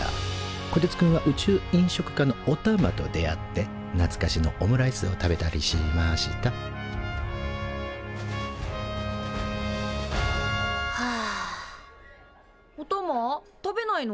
こてつくんは宇宙飲食科のおたまと出会ってなつかしのオムライスを食べたりしましたおたま食べないの？